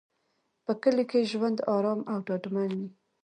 په کلي کې ژوند ارام او ډاډمن وي.